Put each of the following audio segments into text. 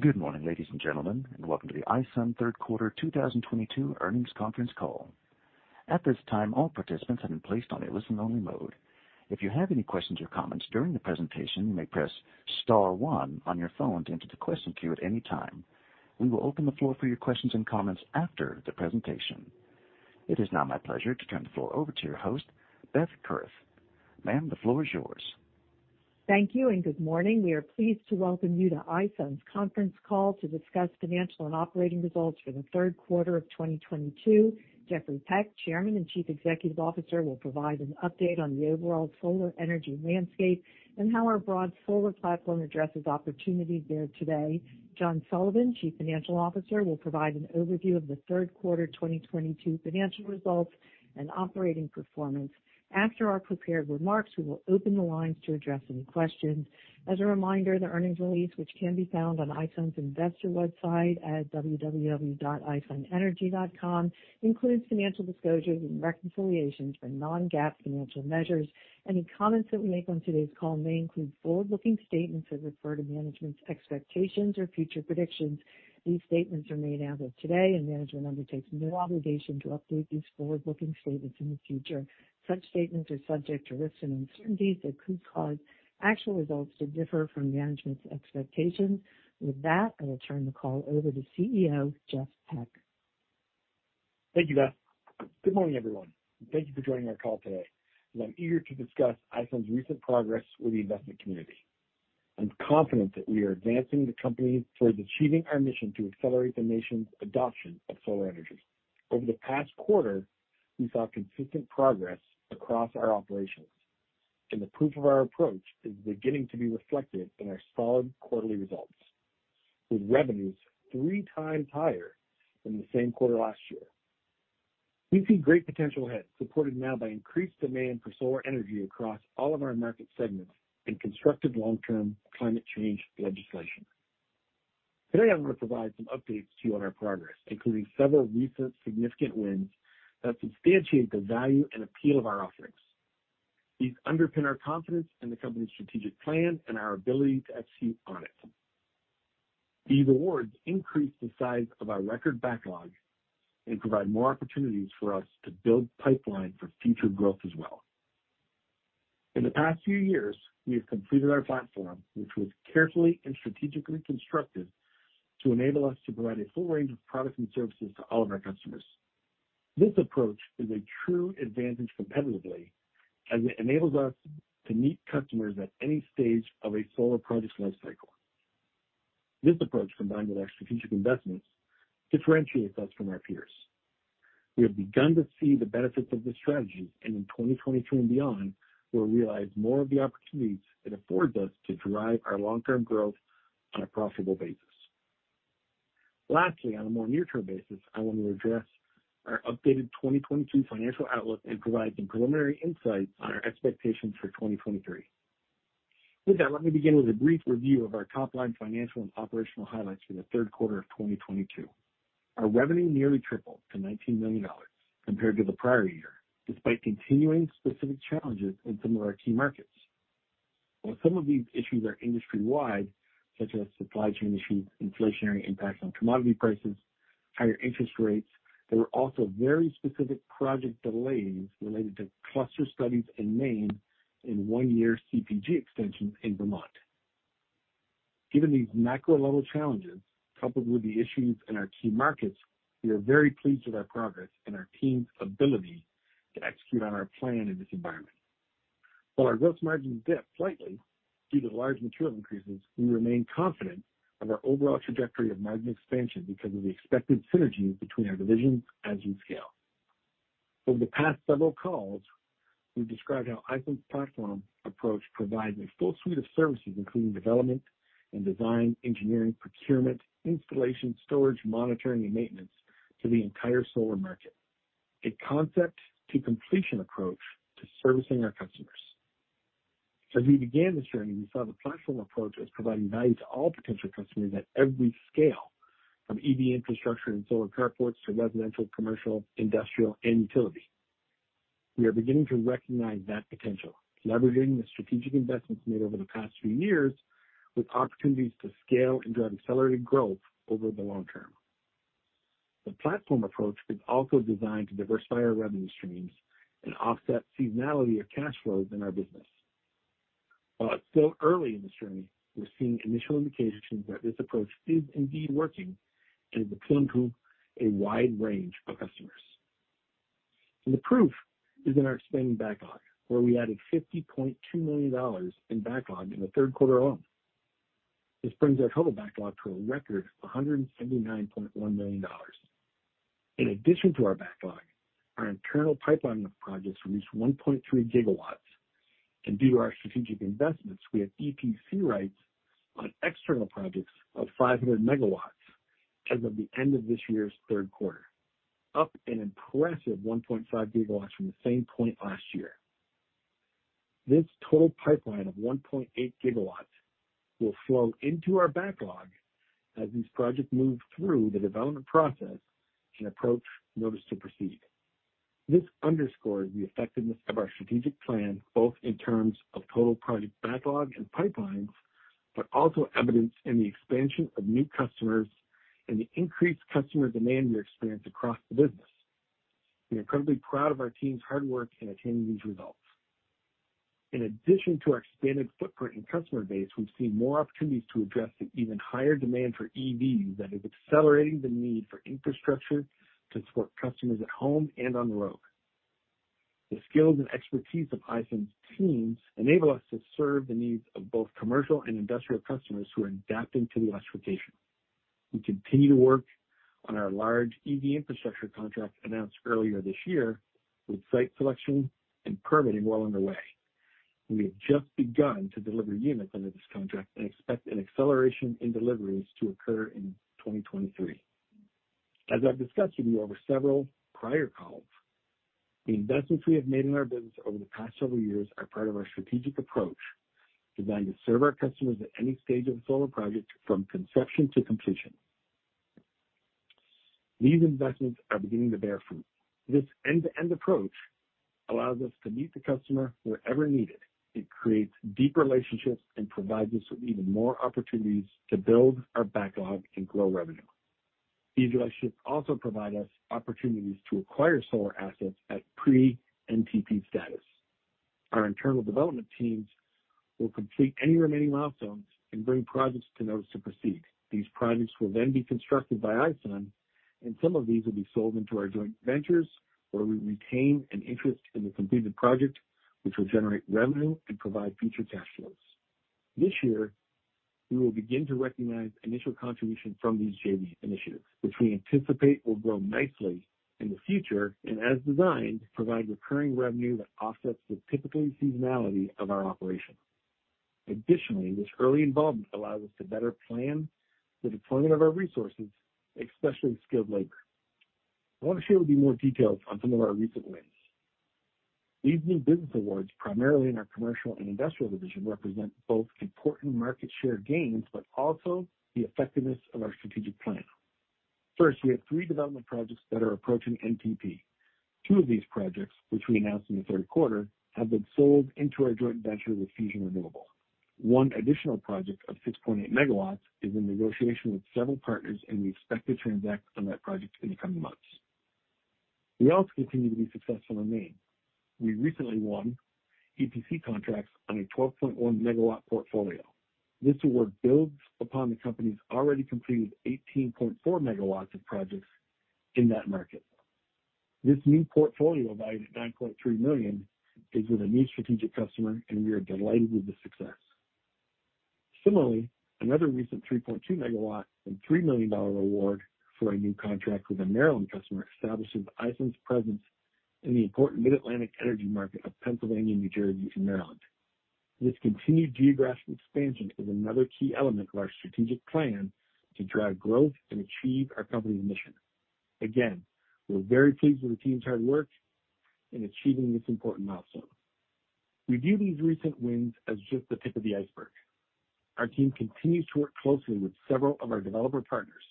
Good morning, ladies and gentlemen, and welcome to the iSun third quarter 2022 earnings conference call. At this time, all participants have been placed on a listen-only mode. If you have any questions or comments during the presentation, you may press star one on your phone to enter the question queue at any time. We will open the floor for your questions and comments after the presentation. It is now my pleasure to turn the floor over to your host, Beth Kurth. Ma'am, the floor is yours. Thank you and good morning. We are pleased to welcome you to iSun's conference call to discuss financial and operating results for the third quarter of 2022. Jeffrey Peck, Chairman and Chief Executive Officer, will provide an update on the overall solar energy landscape and how our broad solar platform addresses opportunities there today. John Sullivan, Chief Financial Officer, will provide an overview of the third quarter of 2022 financial results and operating performance. After our prepared remarks, we will open the lines to address any questions. As a reminder, the earnings release, which can be found on iSun's investor website at www.isunenergy.com, includes financial disclosures and reconciliations for non-GAAP financial measures. Any comments that we make on today's call may include forward-looking statements that refer to management's expectations or future predictions. These statements are made as of today, and management undertakes no obligation to update these forward-looking statements in the future. Such statements are subject to risks and uncertainties that could cause actual results to differ from management's expectations. With that, I will turn the call over to CEO Jeff Peck. Thank you, Beth. Good morning, everyone. Thank you for joining our call today, and I'm eager to discuss iSun's recent progress with the investment community. I'm confident that we are advancing the company towards achieving our mission to accelerate the nation's adoption of solar energy. Over the past quarter, we saw consistent progress across our operations, and the proof of our approach is beginning to be reflected in our solid quarterly results, with revenues three times higher than the same quarter last year. We see great potential ahead, supported now by increased demand for solar energy across all of our market segments and constructive long-term climate change legislation. Today, I'm going to provide some updates to you on our progress, including several recent significant wins that substantiate the value and appeal of our offerings. These underpin our confidence in the company's strategic plan and our ability to execute on it. These awards increase the size of our record backlog and provide more opportunities for us to build pipeline for future growth as well. In the past few years, we have completed our platform, which was carefully and strategically constructed to enable us to provide a full range of products and services to all of our customers. This approach is a true advantage competitively as it enables us to meet customers at any stage of a solar project's life cycle. This approach, combined with our strategic investments, differentiates us from our peers. We have begun to see the benefits of this strategy, and in 2022 and beyond, we'll realize more of the opportunities it affords us to drive our long-term growth on a profitable basis. Lastly, on a more near-term basis, I want to address our updated 2022 financial outlook and provide some preliminary insights on our expectations for 2023. With that, let me begin with a brief review of our top-line financial and operational highlights for the third quarter of 2022. Our revenue nearly tripled to $19 million compared to the prior year, despite continuing specific challenges in some of our key markets. While some of these issues are industry-wide, such as supply chain issues, inflationary impacts on commodity prices, higher interest rates, there were also very specific project delays related to cluster studies in Maine and one-year CPG extension in Vermont. Given these macro-level challenges, coupled with the issues in our key markets, we are very pleased with our progress and our team's ability to execute on our plan in this environment. While our gross margin dipped slightly due to large material increases, we remain confident of our overall trajectory of margin expansion because of the expected synergies between our divisions as we scale. Over the past several calls, we've described how iSun's platform approach provides a full suite of services, including development and design, engineering, procurement, installation, storage, monitoring, and maintenance to the entire solar market, a concept to completion approach to servicing our customers. As we began this journey, we saw the platform approach as providing value to all potential customers at every scale, from EV infrastructure and solar carports to residential, commercial, industrial, and utility. We are beginning to recognize that potential, leveraging the strategic investments made over the past few years with opportunities to scale and drive accelerated growth over the long term. The platform approach is also designed to diversify our revenue streams and offset seasonality of cash flows in our business. While it's still early in this journey, we're seeing initial indications that this approach is indeed working and is appealing to a wide range of customers. The proof is in our expanding backlog, where we added $50.2 million in backlog in the third quarter alone. This brings our total backlog to a record $179.1 million. In addition to our backlog, our internal pipeline of projects reached 1.3 GW. Due to our strategic investments, we have EPC rights on external projects of 500 MW as of the end of this year's third quarter, up an impressive 1.5 GW from the same point last year. This total pipeline of 1.8 GW will flow into our backlog as these projects move through the development process and approach notice to proceed. This underscores the effectiveness of our strategic plan, both in terms of total project backlog and pipelines, but also evidenced in the expansion of new customers and the increased customer demand we experienced across the business. We are incredibly proud of our team's hard work in attaining these results. In addition to our expanded footprint and customer base, we've seen more opportunities to address the even higher demand for EVs that is accelerating the need for infrastructure to support customers at home and on the road. The skills and expertise of iSun's teams enable us to serve the needs of both commercial and industrial customers who are adapting to the electrification. We continue to work on our large EV infrastructure contract announced earlier this year, with site selection and permitting well underway. We have just begun to deliver units under this contract and expect an acceleration in deliveries to occur in 2023. As I've discussed with you over several prior calls, the investments we have made in our business over the past several years are part of our strategic approach designed to serve our customers at any stage of solar projects from conception to completion. These investments are beginning to bear fruit. This end-to-end approach allows us to meet the customer wherever needed. It creates deep relationships and provides us with even more opportunities to build our backlog and grow revenue. These relationships also provide us opportunities to acquire solar assets at pre-NTP status. Our internal development teams will complete any remaining milestones and bring projects to notice to proceed. These projects will then be constructed by iSun's, and some of these will be sold into our joint ventures, where we retain an interest in the completed project, which will generate revenue and provide future cash flows. This year, we will begin to recognize initial contribution from these JV initiatives, which we anticipate will grow nicely in the future, and as designed, provide recurring revenue that offsets the typical seasonality of our operations. Additionally, this early involvement allows us to better plan the deployment of our resources, especially skilled labor. I want to share with you more details on some of our recent wins. These new business awards, primarily in our commercial and industrial division, represent both important market share gains but also the effectiveness of our strategic plan. First, we have three development projects that are approaching NTP. Two of these projects, which we announced in the third quarter, have been sold into our joint venture with Fusion Renewable. One additional project of 6.8 MW is in negotiation with several partners, and we expect to transact on that project in the coming months. We also continue to be successful in Maine. We recently won EPC contracts on a 12.1 MW portfolio. This award builds upon the company's already completed 18.4 MW of projects in that market. This new portfolio valued at $9.3 million is with a new strategic customer, and we are delighted with the success. Similarly, another recent 3.2 MW and $3 million award for a new contract with a Maryland customer establishes iSun's presence in the important Mid-Atlantic energy market of Pennsylvania, New Jersey, and Maryland. This continued geographic expansion is another key element of our strategic plan to drive growth and achieve our company's mission. Again, we're very pleased with the team's hard work in achieving this important milestone. We view these recent wins as just the tip of the iceberg. Our team continues to work closely with several of our developer partners,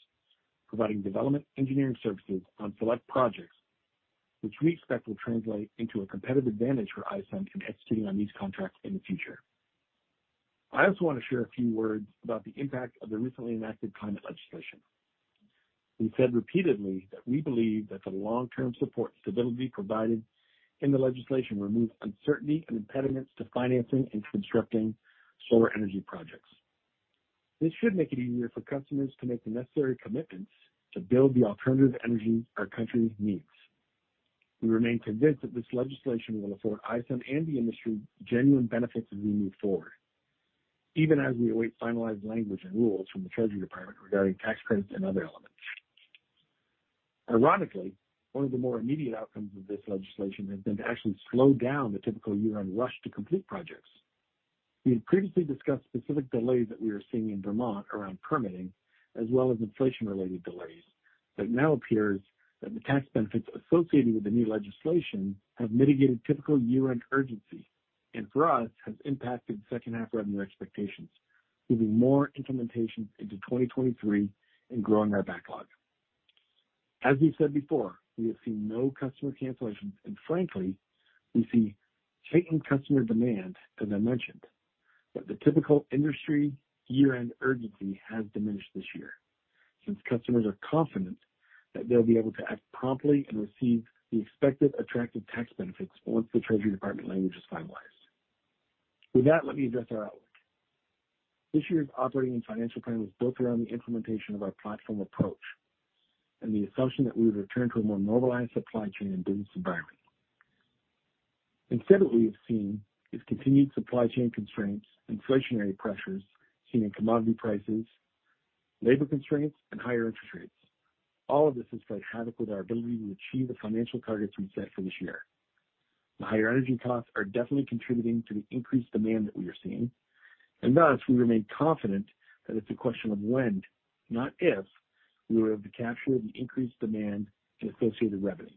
providing development engineering services on select projects, which we expect will translate into a competitive advantage for iSun's in executing on these contracts in the future. I also want to share a few words about the impact of the recently enacted climate legislation. We've said repeatedly that we believe that the long-term support and stability provided in the legislation removes uncertainty and impediments to financing and constructing solar energy projects. This should make it easier for customers to make the necessary commitments to build the alternative energy our country needs. We remain convinced that this legislation will afford iSun and the industry genuine benefits as we move forward, even as we await finalized language and rules from the Department of the Treasury regarding tax credits and other elements. Ironically, one of the more immediate outcomes of this legislation has been to actually slow down the typical year-end rush to complete projects. We had previously discussed specific delays that we are seeing in Vermont around permitting as well as inflation-related delays, but it now appears that the tax benefits associated with the new legislation have mitigated typical year-end urgency, and for us, has impacted second half revenue expectations, moving more implementation into 2023 and growing our backlog. As we've said before, we have seen no customer cancellations, and frankly, we see heightened customer demand, as I mentioned. The typical industry year-end urgency has diminished this year since customers are confident that they'll be able to act promptly and receive the expected attractive tax benefits once the Department of the Treasury language is finalized. With that, let me address our outlook. This year's operating and financial plan was built around the implementation of our platform approach and the assumption that we would return to a more normalized supply chain and business environment. Instead, what we have seen is continued supply chain constraints, inflationary pressures seen in commodity prices, labor constraints, and higher interest rates. All of this has played havoc with our ability to achieve the financial targets we set for this year. The higher energy costs are definitely contributing to the increased demand that we are seeing, and thus we remain confident that it's a question of when, not if, we will be able to capture the increased demand and associated revenues.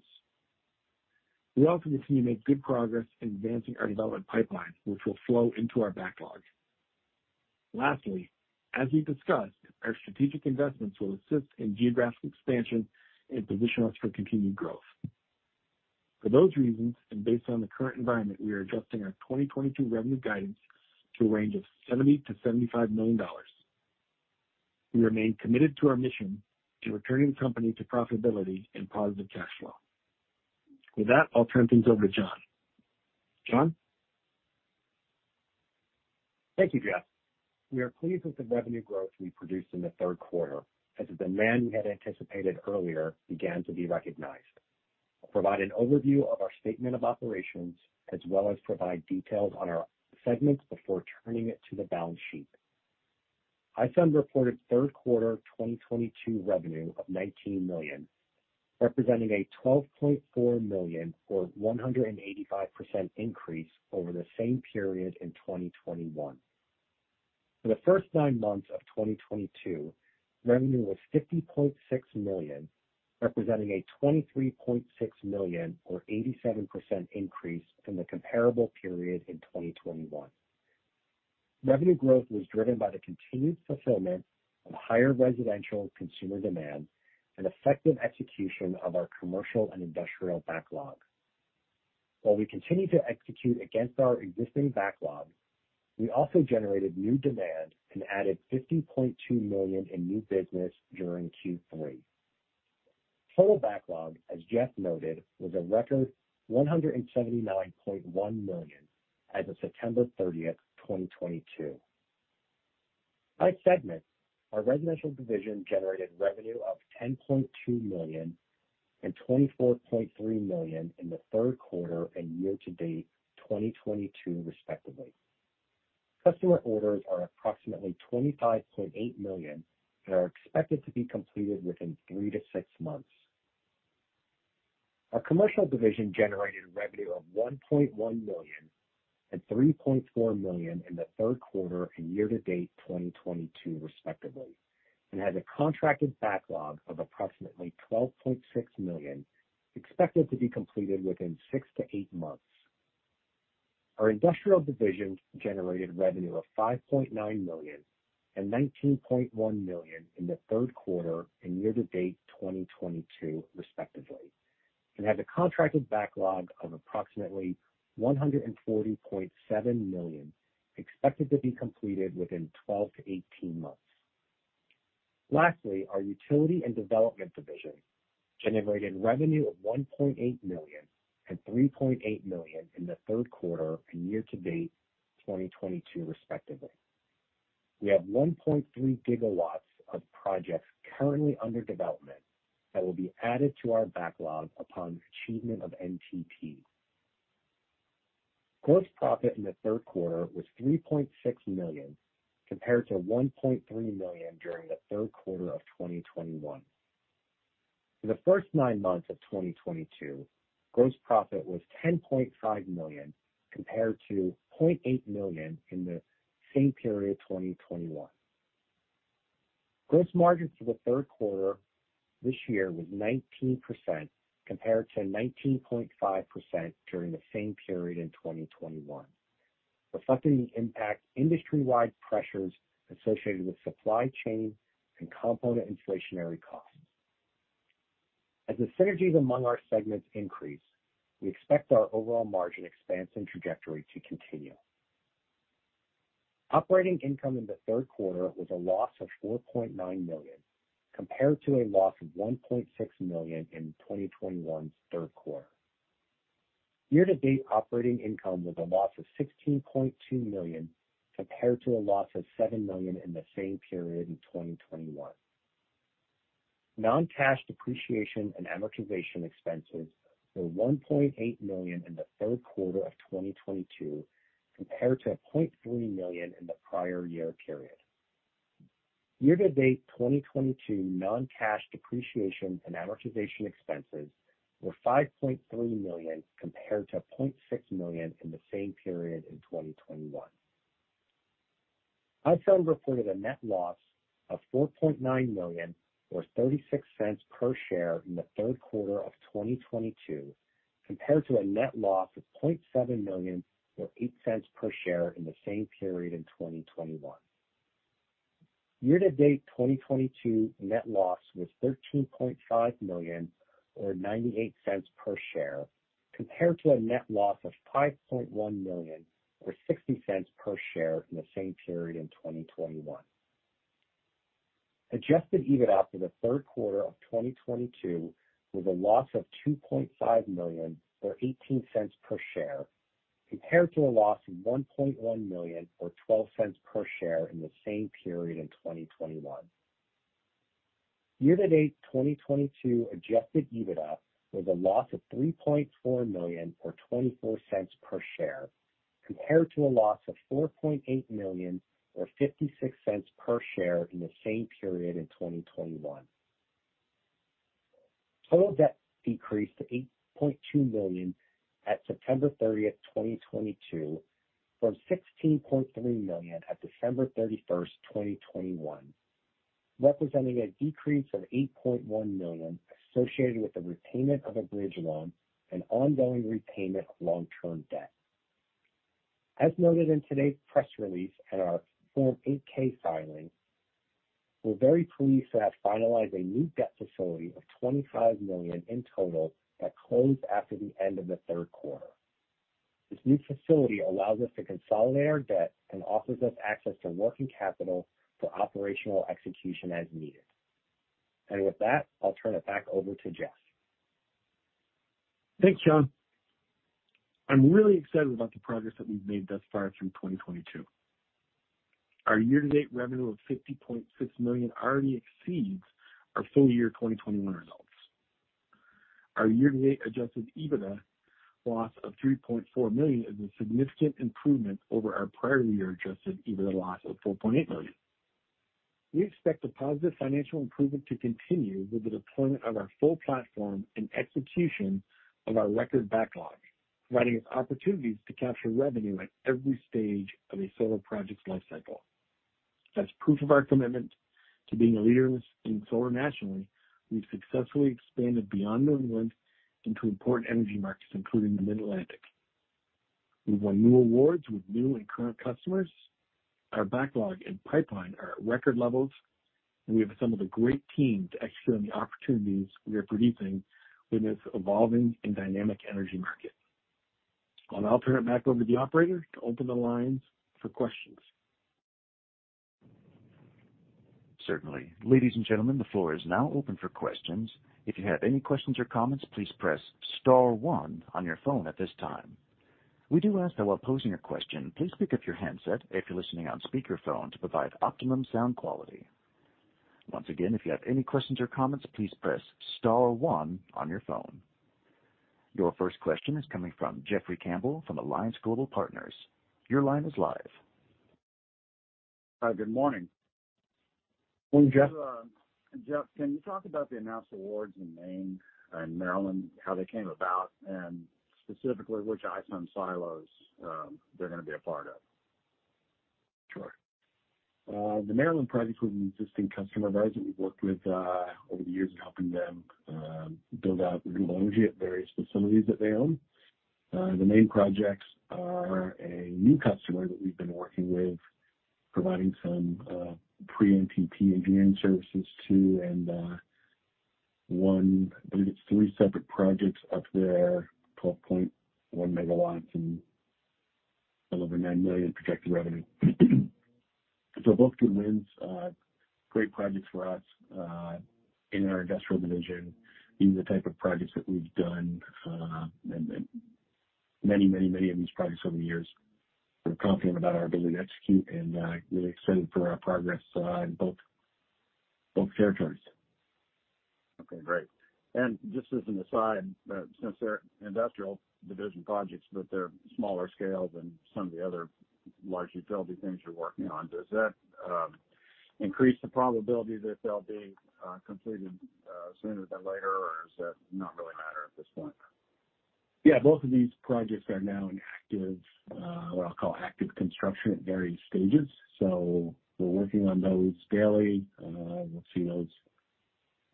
We also continue to make good progress in advancing our development pipeline, which will flow into our backlog. Lastly, as we've discussed, our strategic investments will assist in geographic expansion and position us for continued growth. For those reasons, and based on the current environment, we are adjusting our 2022 revenue guidance to a range of $70 million-$75 million. We remain committed to our mission to returning the company to profitability and positive cash flow. With that, I'll turn things over to John. John? Thank you, Jeff. We are pleased with the revenue growth we produced in the third quarter as the demand we had anticipated earlier began to be recognized. I'll provide an overview of our statement of operations as well as provide details on our segments before turning it to the balance sheet. ISUN reported third quarter 2022 revenue of $19 million, representing a $12.4 million, or 185% increase over the same period in 2021. For the first nine months of 2022, revenue was $50.6 million, representing a $23.6 million or 87% increase from the comparable period in 2021. Revenue growth was driven by the continued fulfillment of higher residential consumer demand and effective execution of our commercial and industrial backlog. While we continue to execute against our existing backlog, we also generated new demand and added $50.2 million in new business during Q3. Total backlog, as Jeff noted, was a record $179.1 million as of September 30th, 2022. By segment, our residential division generated revenue of $10.2 million and $24.3 million in the third quarter and year-to-date 2022 respectively. Customer orders are approximately $25.8 million and are expected to be completed within three to six months. Our commercial division generated revenue of $1.1 million and $3.4 million in the third quarter and year-to-date 2022 respectively, and has a contracted backlog of approximately $12.6 million, expected to be completed within six to eight months. Our industrial division generated revenue of $5.9 million and $19.1 million in the third quarter and year-to-date 2022 respectively, and has a contracted backlog of approximately $140.7 million, expected to be completed within 12-18 months. Our utility and development division generated revenue of $1.8 million and $3.8 million in the third quarter and year-to-date 2022 respectively. We have 1.3 GW of projects currently under development that will be added to our backlog upon achievement of NTP. Gross profit in the third quarter was $3.6 million compared to $1.3 million during the third quarter of 2021. For the first nine months of 2022, gross profit was $10.5 million compared to $0.8 million in the same period 2021. Gross margin for the third quarter this year was 19% compared to 19.5% during the same period in 2021, reflecting the impact industry-wide pressures associated with supply chain and component inflationary costs. As the synergies among our segments increase, we expect our overall margin expansion trajectory to continue. Operating income in the third quarter was a loss of $4.9 million compared to a loss of $1.6 million in 2021's third quarter. Year-to-date operating income was a loss of $16.2 million compared to a loss of $7 million in the same period in 2021. Non-cash depreciation and amortization expenses were $1.8 million in the third quarter of 2022 compared to $0.3 million in the prior year period. Year-to-date 2022 non-cash depreciation and amortization expenses were $5.3 million compared to $0.6 million in the same period in 2021. iSun reported a net loss of $4.9 million or $0.36 per share in the third quarter of 2022 compared to a net loss of $0.7 million or $0.08 per share in the same period in 2021. Year-to-date 2022 net loss was $13.5 million or $0.98 per share compared to a net loss of $5.1 million or $0.60 per share in the same period in 2021. Adjusted EBITDA for the third quarter of 2022 was a loss of $2.5 million or $0.18 per share compared to a loss of $1.1 million or $0.12 per share in the same period in 2021. Year-to-date 2022 Adjusted EBITDA was a loss of $3.4 million or $0.24 per share compared to a loss of $4.8 million or $0.56 per share in the same period in 2021. Total debt decreased to $8.2 million at September 30th, 2022, from $16.3 million at December 31st, 2021. Representing a decrease of $8.1 million associated with the repayment of a bridge loan and ongoing repayment of long-term debt. As noted in today's press release and our Form 8-K filing, we're very pleased to have finalized a new debt facility of $25 million in total that closed after the end of the third quarter. This new facility allows us to consolidate our debt and offers us access to working capital for operational execution as needed. With that, I'll turn it back over to Jeff. Thanks, John. I'm really excited about the progress that we've made thus far through 2022. Our year-to-date revenue of $50.6 million already exceeds our full year 2021 results. Our year-to-date Adjusted EBITDA loss of $3.4 million is a significant improvement over our prior year Adjusted EBITDA loss of $4.8 million. We expect the positive financial improvement to continue with the deployment of our full platform and execution of our record backlog, providing us opportunities to capture revenue at every stage of a solar project's life cycle. As proof of our commitment to being a leader in solar nationally, we've successfully expanded beyond New England into important energy markets, including the Mid-Atlantic. We've won new awards with new and current customers. Our backlog and pipeline are at record levels, and we have assembled a great team to execute on the opportunities we are producing in this evolving and dynamic energy market. Now I'll turn it back over to the operator to open the lines for questions. Certainly. Ladies and gentlemen, the floor is now open for questions. If you have any questions or comments, please press star one on your phone at this time. We do ask that while posing your question, please pick up your handset if you're listening on speakerphone to provide optimum sound quality. Once again, if you have any questions or comments, please press star one on your phone. Your first question is coming from Jeffrey Campbell from Alliance Global Partners. Your line is live. Hi, good morning. Morning, Jeff. Jeff, can you talk about the announced awards in Maine and Maryland, how they came about, and specifically which iSun's silos they're gonna be a part of? Sure. The Maryland project was an existing customer of ours that we've worked with over the years in helping them build out renewable energy at various facilities that they own. The main projects are a new customer that we've been working with, providing some pre-NTP engineering services to. I believe it's three separate projects up there, 12.1 MW and a little over $9 million projected revenue. Both good wins. Great projects for us in our industrial division. These are the type of projects that we've done many of these projects over the years. We're confident about our ability to execute and really excited for our progress in both territories. Okay, great. Just as an aside, since they're industrial division projects, but they're smaller scale than some of the other large utility things you're working on, does that increase the probability that they'll be completed sooner than later? Or does that not really matter at this point? Yeah, both of these projects are now in active, what I'll call active construction at various stages. We're working on those daily. We'll see those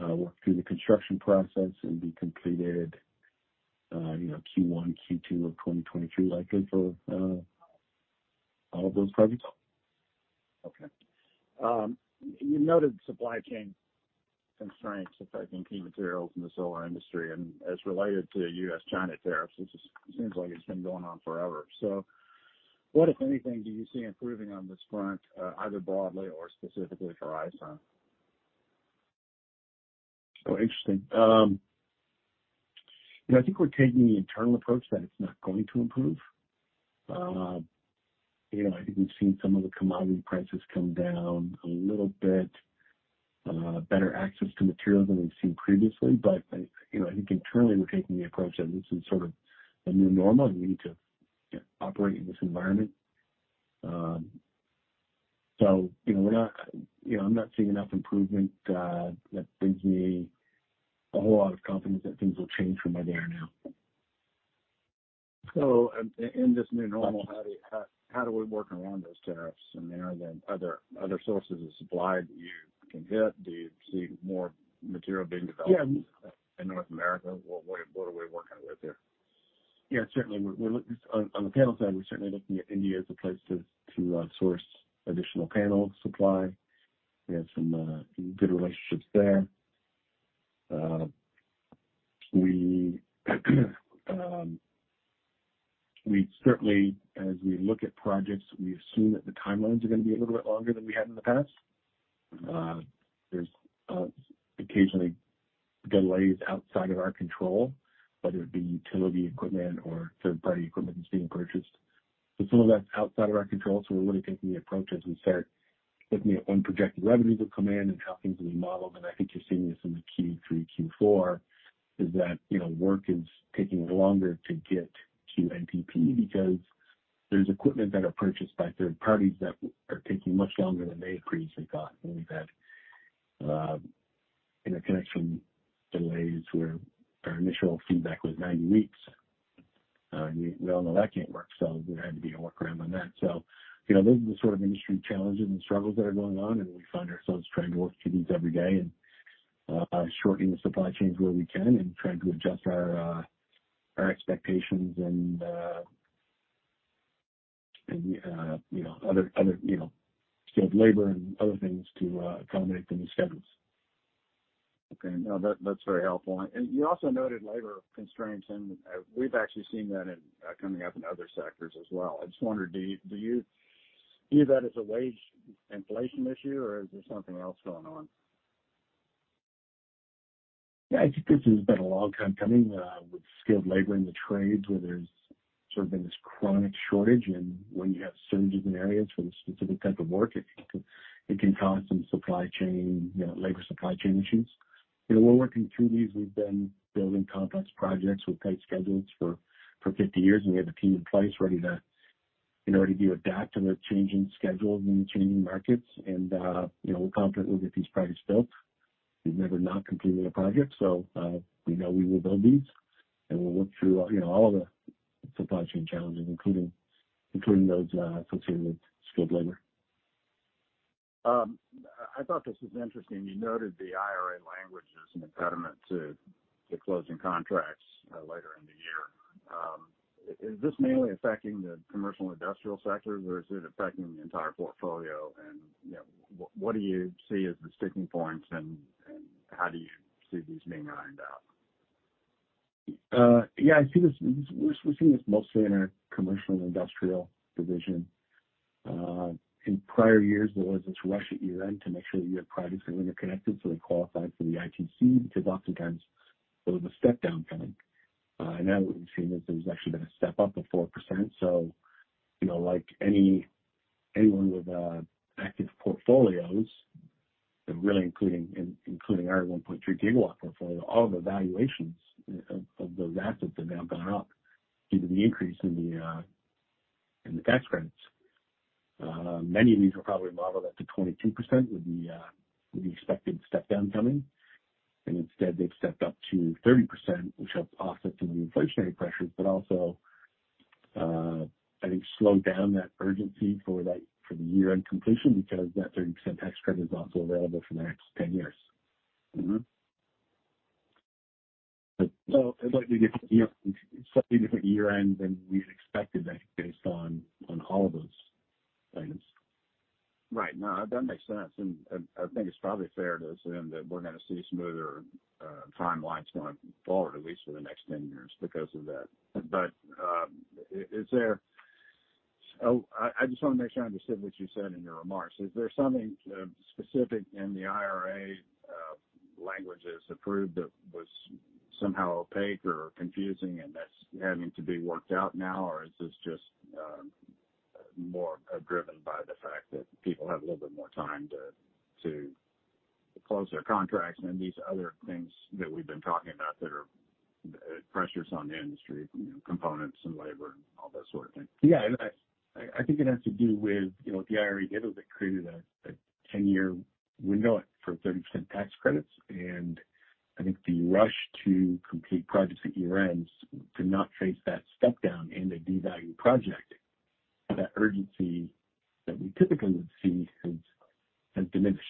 work through the construction process and be completed, you know, Q1, Q2 of 2023, likely for all of those projects. Okay. You noted supply chain constraints affecting key materials in the solar industry. As related to U.S.-China tariffs, it just seems like it's been going on forever. What, if anything, do you see improving on this front, either broadly or specifically for iSun? Oh, interesting. You know, I think we're taking the internal approach that it's not going to improve. You know, I think we've seen some of the commodity prices come down a little bit, better access to material than we've seen previously. I, you know, I think internally we're taking the approach that this is sort of a new normal, and we need to operate in this environment. You know, I'm not seeing enough improvement that gives me a whole lot of confidence that things will change from where they are now. In this new normal, how do we work around those tariffs? Are there other sources of supply that you can hit? Do you see more material being developed— Yeah. —in North America? What are we working with here? Yeah, certainly. We're looking on the panel side. We're certainly looking at India as a place to source additional panel supply. We have some good relationships there. We certainly, as we look at projects, assume that the timelines are gonna be a little bit longer than we had in the past. There's occasional delays outside of our control, whether it be utility equipment or third-party equipment that's being purchased. Some of that's outside of our control. We're really taking the approach, as we said, looking at when projected revenue will come in and how things will be modeled. I think you're seeing this in the Q3, Q4, in that you know, work is taking longer to get to NTP because there's equipment that are purchased by third-parties that are taking much longer than they previously thought. We've had interconnection delays where our initial feedback was nine weeks. We all know that can't work, so there had to be a workaround on that. You know, those are the sort of industry challenges and struggles that are going on, and we find ourselves trying to work through these every day and shortening the supply chains where we can and trying to adjust our expectations and you know, other skilled labor and other things to accommodate the new schedules. Okay. No, that's very helpful. You also noted labor constraints, and we've actually seen that coming up in other sectors as well. I just wondered, do you view that as a wage inflation issue or is there something else going on? Yeah. I think this has been a long time coming, with skilled labor in the trades where there's sort of been this chronic shortage. When you have surges in areas for the specific type of work, it can cause some supply chain, you know, labor supply chain issues. You know, we're working through these. We've been building complex projects with tight schedules for 50 years, and we have a team in place ready to in order to adapt to the changing schedules and the changing markets. You know, we're confident we'll get these projects built. We've never not completed a project. We know we will build these, and we'll work through, you know, all of the supply chain challenges, including those associated with skilled labor. I thought this was interesting. You noted the IRA language as an impediment to closing contracts later in the year. Is this mainly affecting the commercial industrial sectors, or is it affecting the entire portfolio? You know, what do you see as the sticking points, and how do you see these being ironed out? I see this. We're seeing this mostly in our commercial and industrial division. In prior years, there was this rush at year-end to make sure that you had projects that were interconnected, so they qualified for the ITC. Because oftentimes there was a step-down coming. Now what we've seen is there's actually been a step up of 4%. You know, like anyone with active portfolios, and really including our 1.3 GW portfolio, all the valuations of those assets have now gone up due to the increase in the tax credits. Many of these were probably modeled up to 22% with the expected step-down coming. Instead they've stepped up to 30%, which helped offset some of the inflationary pressures, but also, I think slowed down that urgency for that, for the year-end completion because that 30% tax credit is also available for the next 10 years. Mm-hmm. It's likely to be a slightly different year-end than we had expected then based on all of those items. Right. No, that makes sense. I think it's probably fair to assume that we're gonna see smoother timelines going forward, at least for the next 10 years because of that. I just want to make sure I understood what you said in your remarks. Is there something specific in the IRA languages approved that was somehow opaque or confusing and that's having to be worked out now? Or is this just more driven by the fact that people have a little bit more time to close their contracts and these other things that we've been talking about that are pressures on the industry, you know, components and labor and all that sort of thing? Yeah. I think it has to do with, you know, what the IRA did was it created a 10-year window for 30% tax credits. I think the rush to complete projects at year-ends to not face that step-down and a devalued project, that urgency that we typically would see has diminished.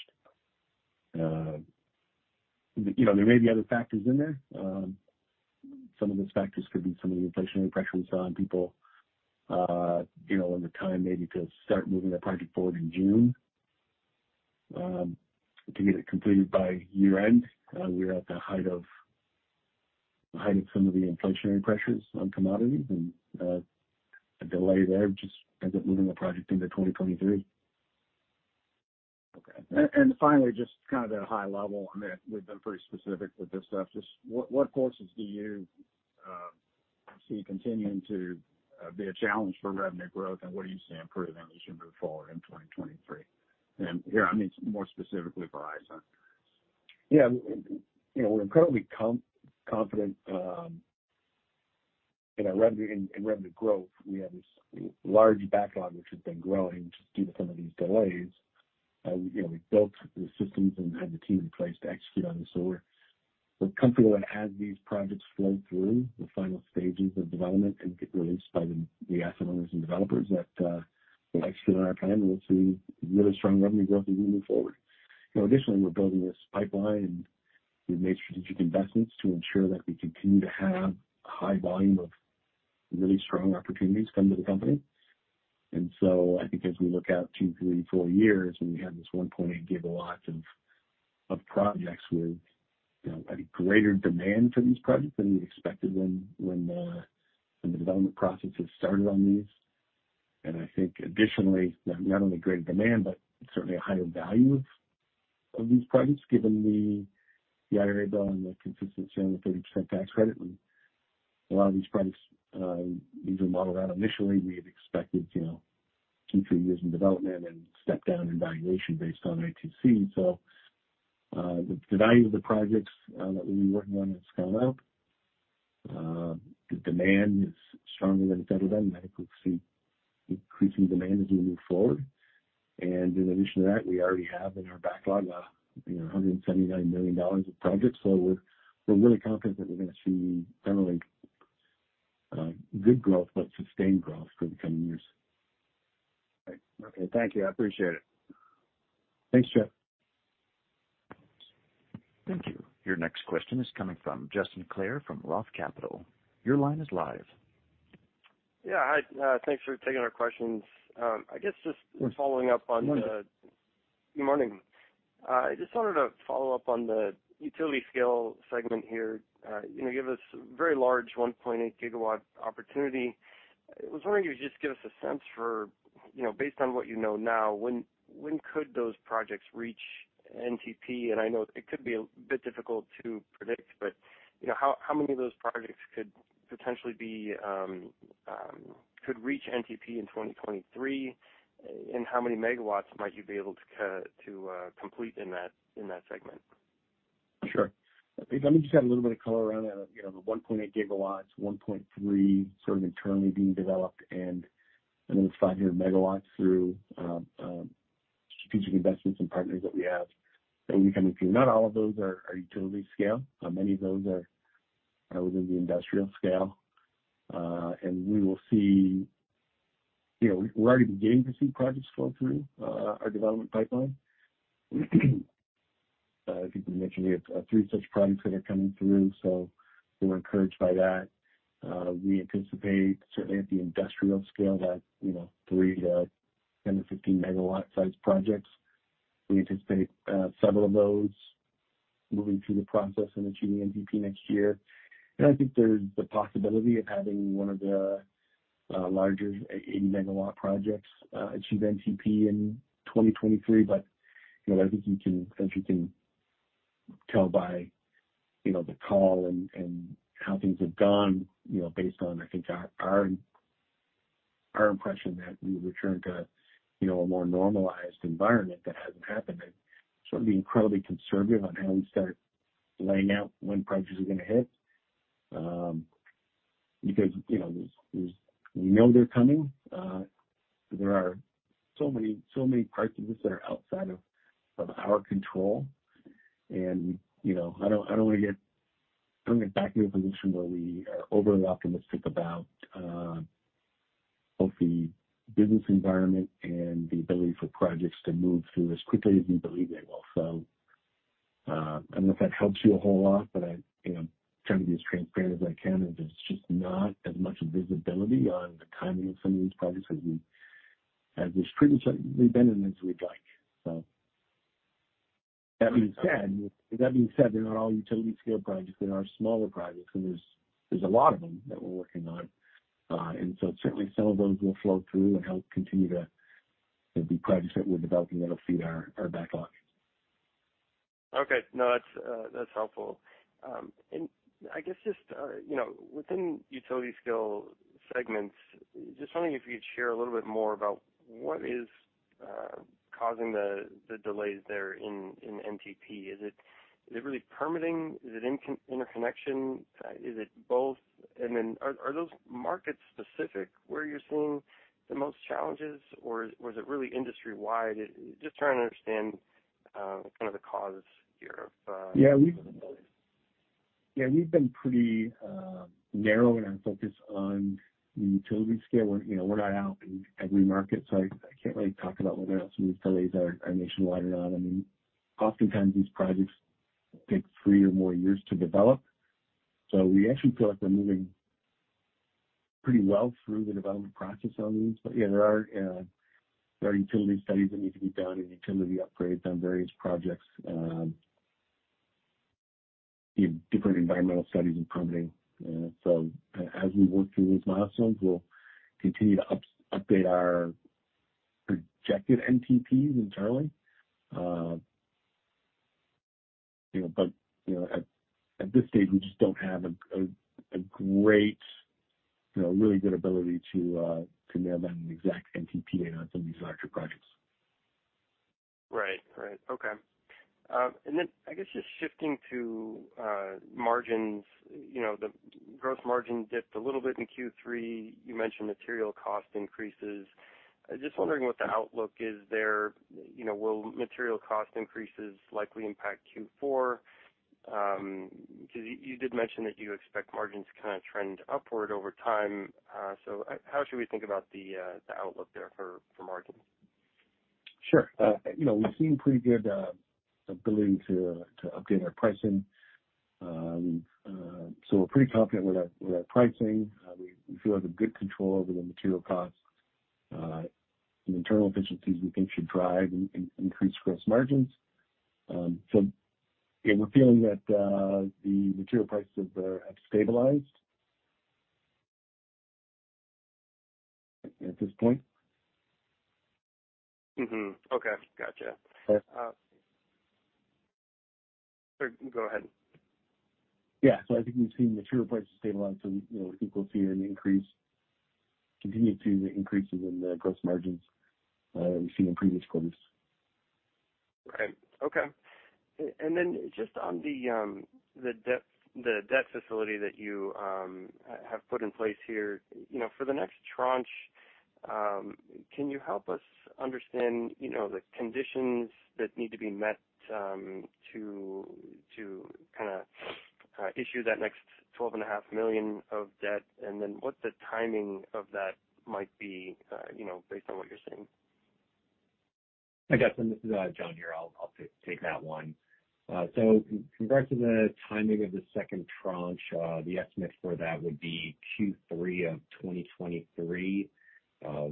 You know, there may be other factors in there. Some of those factors could be some of the inflationary pressures on people, you know, and the time maybe to start moving that project forward in June, to get it completed by year-end. We're at the height of some of the inflationary pressures on commodities and, a delay there just ends up moving the project into 2023. Okay. Finally, just kind of at a high level, I mean, we've been pretty specific with this stuff. Just what forces do you see continuing to be a challenge for revenue growth, and what do you see improving as you move forward in 2023? Here, I mean more specifically for iSun. Yeah. You know, we're incredibly confident in our revenue growth. We have this large backlog which has been growing just due to some of these delays. You know, we built the systems and had the team in place to execute on this. We're comfortable that as these projects flow through the final stages of development and get released by the asset owners and developers that will execute on our plan, and we'll see really strong revenue growth as we move forward. You know, additionally, we're building this pipeline. We've made strategic investments to ensure that we continue to have a high volume of really strong opportunities come to the company. I think as we look out two, three, four years and we have this 1.8 GW of projects with, you know, I think greater demand for these projects than we expected when the development processes started on these. I think additionally, not only greater demand, but certainly a higher value of these projects given the IRA bill and the consistency on the 30% tax credit. When a lot of these projects, these were modeled out initially, we had expected, you know, two, three years in development and step down in valuation based on ITC. The value of the projects that we've been working on has gone up. The demand is stronger than it's ever been. I think we'll see increasing demand as we move forward. In addition to that, we already have in our backlog, you know, $179 million of projects. We're really confident that we're gonna see generally good growth, but sustained growth for the coming years. Right. Okay. Thank you. I appreciate it. Thanks, Jeff. Thank you. Your next question is coming from Justin Clare from Roth Capital. Your line is live. Yeah. Hi, thanks for taking our questions. I guess just following up on the— Good morning. Good morning. I just wanted to follow up on the utility scale segment here. You know, you gave us very large 1.8 GW opportunity. I was wondering if you could just give us a sense for, you know, based on what you know now, when could those projects reach NTP? And I know it could be a bit difficult to predict, but, you know, how many of those projects could potentially reach NTP in 2023? And how many megawatts might you be able to complete in that segment? Sure. Let me just add a little bit of color around that. You know, the 1.8 GW, 1.3 GW sort of internally being developed and another 500 MW through strategic investments and partners that we have. We can review, not all of those are utility scale. Many of those are within the industrial scale. We will see. You know, we're already beginning to see projects flow through our development pipeline. I think we mentioned we have three such projects that are coming through, so we're encouraged by that. We anticipate certainly at the industrial scale that, you know, three of 10 MW to 15 MW-sized projects. We anticipate several of those moving through the process and achieving NTP next year. I think there's the possibility of having one of the larger 80 MW projects achieve NTP in 2023. You know, I think as you can tell by, you know, the call and how things have gone, you know, based on, I think, our impression that we return to, you know, a more normalized environment that hasn't happened. Be incredibly conservative on how we start laying out when projects are gonna hit. Because, you know, there's we know they're coming. There are so many parts of this that are outside of our control. You know, I don't want to get back in a position where we are overly optimistic about both the business environment and the ability for projects to move through as quickly as we believe they will. I don't know if that helps you a whole lot, but I, you know, try to be as transparent as I can. There's just not as much visibility on the timing of some of these projects as we've previously been and as we'd like. That being said, they're not all utility-scale projects. There are smaller projects, and there's a lot of them that we're working on. Certainly some of those will flow through and help continue to, you know, be projects that we're developing that'll feed our backlog. Okay. No, that's helpful. I guess just, you know, within utility-scale segments, just wondering if you could share a little bit more about what is causing the delays there in NTP. Is it really permitting? Is it interconnection? Is it both? Then are those market specific where you're seeing the most challenges or was it really industry wide? Just trying to understand kind of the cause here of. Yeah. We've been pretty narrow in our focus on the utility scale. You know, we're not out in every market, so I can't really talk about whether some of these delays are nationwide or not. I mean, oftentimes these projects take three or more years to develop. We actually feel like we're moving pretty well through the development process on these. Yeah, there are utility studies that need to be done and utility upgrades on various projects, different environmental studies and permitting. As we work through these milestones, we'll continue to update our projected NTPs internally. You know, but at this stage, we just don't have a great, really good ability to nail down an exact NTP date on some of these larger projects. Right. Okay. I guess just shifting to margins. You know, the gross margin dipped a little bit in Q3. You mentioned material cost increases. I'm just wondering what the outlook is there. You know, will material cost increases likely impact Q4? 'Cause you did mention that you expect margins to kinda trend upward over time. How should we think about the outlook there for margins? Sure. You know, we've seen pretty good ability to update our pricing. We're pretty confident with our pricing. We feel like we have good control over the material costs. Internal efficiencies we think should drive increased gross margins. Yeah, we're feeling that the material prices have stabilized at this point. Mm-hmm. Okay. Gotcha. Yeah. Sorry, go ahead. Yeah. I think we've seen material prices stabilize. You know, I think we'll continue to see the increases in the gross margins we've seen in previous quarters. Right. Okay. Then just on the debt facility that you have put in place here, you know, for the next tranche, can you help us understand, you know, the conditions that need to be met, to kinda issue that next $12.5 million of debt? Then what the timing of that might be, you know, based on what you're saying? Hi, Justin, this is John here. I'll take that one. With regard to the timing of the second tranche, the estimate for that would be Q3 of 2023.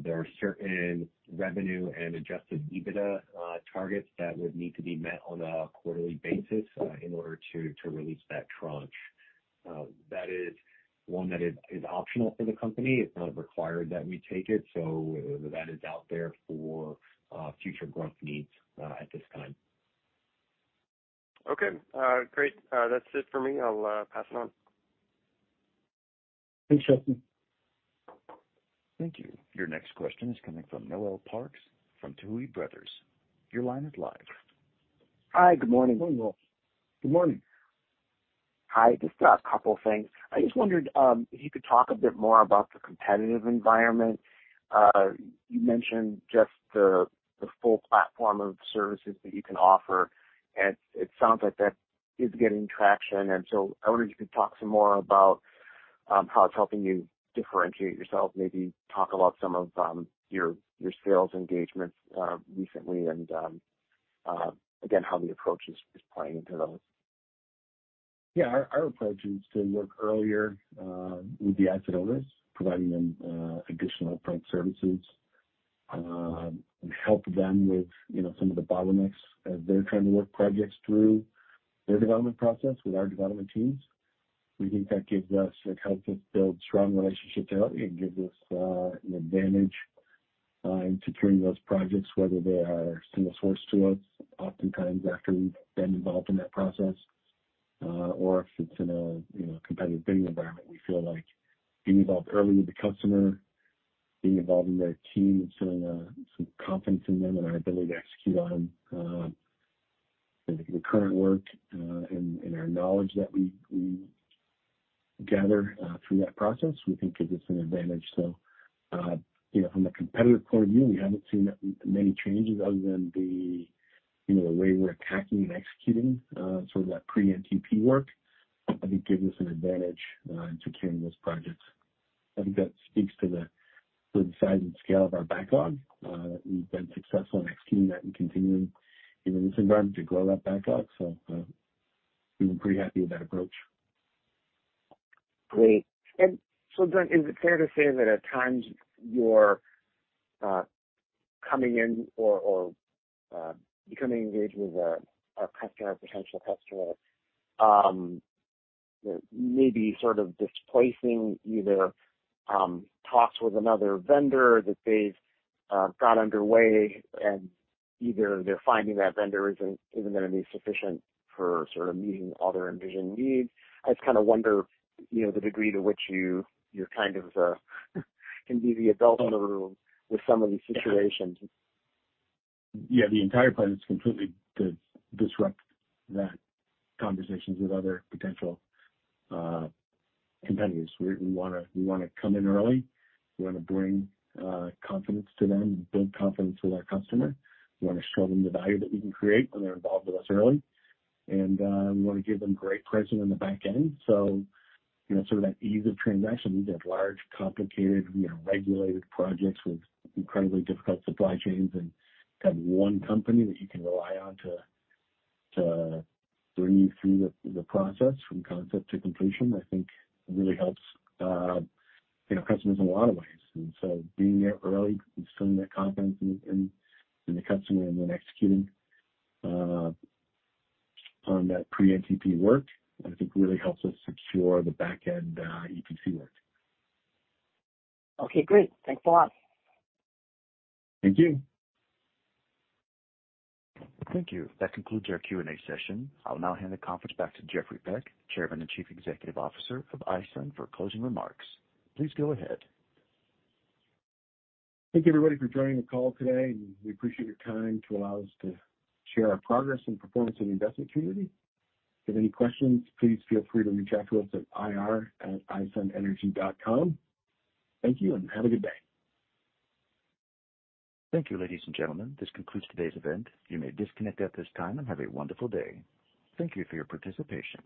There are certain revenue and Adjusted EBITDA targets that would need to be met on a quarterly basis in order to release that tranche. That is one that is optional for the company. It's not required that we take it, so that is out there for future growth needs at this time. Okay. Great. That's it for me. I'll pass it on. Thanks, Justin. Thank you. Your next question is coming from Noel Parks from Tuohy Brothers. Your line is live. Hi. Good morning. Good morning, Noel. Good morning. Hi. Just a couple of things. I just wondered if you could talk a bit more about the competitive environment. You mentioned just the full platform of services that you can offer, and it sounds like that is getting traction. I wonder if you could talk some more about how it's helping you differentiate yourself. Maybe talk about some of your sales engagements recently, and again, how the approach is playing into those. Yeah. Our approach is to work earlier with the asset owners, providing them additional upfront services and help them with, you know, some of the bottlenecks as they're trying to work projects through their development process with our development teams. We think that gives us, like, helps us build strong relationships early. It gives us an advantage in securing those projects, whether they are single sourced to us oftentimes after we've been involved in that process or if it's in a, you know, competitive bidding environment. We feel like being involved early with the customer, being involved in their team, instilling some confidence in them and our ability to execute on the current work and our knowledge that we gather through that process, we think gives us an advantage. From a competitive point of view, we haven't seen many changes other than the way we're attacking and executing sort of that pre-NTP work. I think gives us an advantage in securing those projects. I think that speaks to the size and scale of our backlog. We've been successful in executing that and continuing in this environment to grow that backlog. We've been pretty happy with that approach. Great. And so then, is it fair to say that at times you're coming in or becoming engaged with a customer, a potential customer, maybe sort of displacing either talks with another vendor that they've got underway and either they're finding that vendor isn't gonna be sufficient for sort of meeting all their envisioned needs? I just kind of wonder, you know, the degree to which you're kind of can be the adult in the room with some of these situations. Yeah. The entire plan is completely to disrupt those conversations with other potential competitors. We wanna come in early. We wanna bring confidence to them and build confidence with our customer. We wanna show them the value that we can create when they're involved with us early. We wanna give them great pricing on the back end. You know, sort of that ease of transaction. These are large, complicated, you know, regulated projects with incredibly difficult supply chains. To have one company that you can rely on to bring you through the process from concept to completion, I think really helps, you know, customers in a lot of ways. Being there early, instilling that confidence in the customer and then executing on that pre-NTP work, I think really helps us secure the back end EPC work. Okay. Great. Thanks a lot. Thank you. Thank you. That concludes our Q&A session. I'll now hand the conference back to Jeffrey Peck, Chairman and Chief Executive Officer of iSun, for closing remarks. Please go ahead. Thank you, everybody, for joining the call today, and we appreciate your time to allow us to share our progress and performance in the investment community. If you have any questions, please feel free to reach out to us at ir@isunenergy.com. Thank you, and have a good day. Thank you, ladies and gentlemen. This concludes today's event. You may disconnect at this time and have a wonderful day. Thank you for your participation.